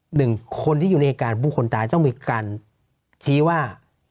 หนึ่งคนที่อยู่ในเหตุการณ์ผู้คนตายต้องมีการชี้ว่า